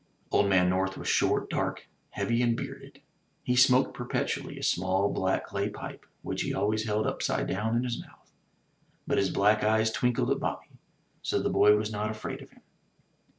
Old man North was short, dark, heavy and beard ed ; he smoked perpetually a small black clay pipe which he always held upside down in his mouth, but his black eyes twinkled at Bobby, so the boy was not afraid of him.